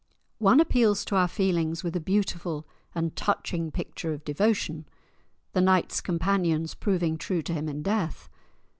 One appeals to our feelings with a beautiful and touching picture of devotion, the knight's companions proving true to him in death.